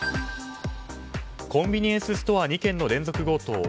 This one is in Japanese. コンビニエンスストア２件の連続強盗。